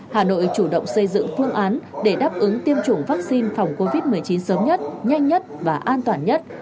hà nội chủ động xây dựng phương án để đáp ứng tiêm chủng vaccine phòng covid một mươi chín sớm nhất nhanh nhất và an toàn nhất